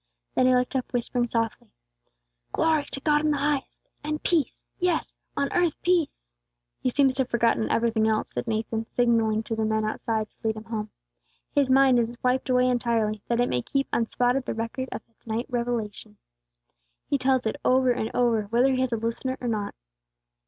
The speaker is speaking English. Then he looked up, whispering softly, "Glory to God in the highest and peace, yes, on earth peace!" "He seems to have forgotten everything else," said Nathan, signalling to the men outside to lead him home. "His mind is wiped away entirely, that it may keep unspotted the record of that night's revelation. He tells it over and over, whether he has a listener or not."